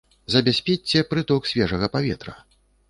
Забяспечце прыток свежага паветра.